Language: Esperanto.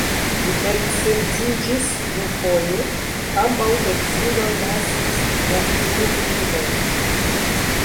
Li eksedziĝis dufoje, ambaŭ edzinoj naskis po unu filojn.